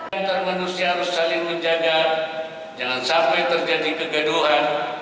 antar manusia harus saling menjaga jangan sampai terjadi kegaduhan